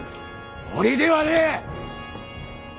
堀ではねえ！